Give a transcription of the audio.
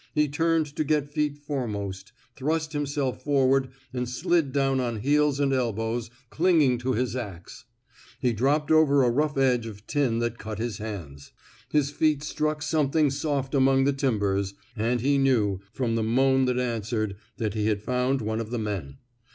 He turned to get feet foremost, thrust him self forward anld slid down on heels and elbows, clinging to his ax. He dropped over a rough edge of tin that cut his hands. His feet struck something soft among the tim bers; and he knew, from the moan that answered, that he had found one of the men.